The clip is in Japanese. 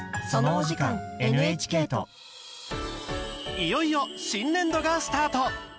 いよいよ新年度がスタート。